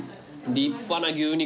立派な牛肉。